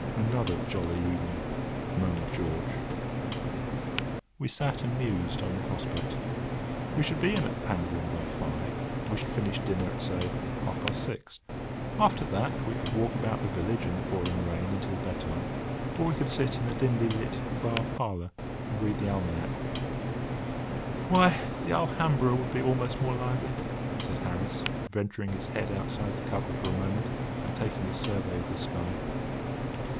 "Another jolly evening!" murmured George. We sat and mused on the prospect. We should be in at Pangbourne by five. We should finish dinner at, say, half past six. After that we could walk about the village in the pouring rain until bed time; or we could sit in a dimly lit bar parlour and read the almanac. [Picture: Lady in skirt] "Why, the Alhambra would be almost more lively," said Harris, venturing his head outside the cover for a moment and taking a survey of the sky.